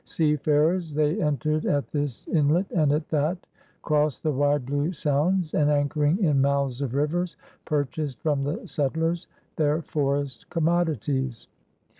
Seafarers, they entered at this inlet and at that, crossed the wide blue sounds, and, anchoring in mouths of rivers, pur* chased from the settlers their forest commodities.